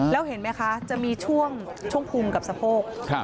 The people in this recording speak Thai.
แล้วเห็นไหมคะจะมีช่วงภูมิกับสะโพก